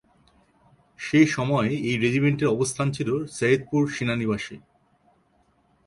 সে সময়ে এই রেজিমেন্টের অবস্থান ছিল সৈয়দপুর সেনানিবাসে।